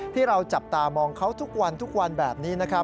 ที่เราจับตามองเขาทุกวันทุกวันแบบนี้นะครับ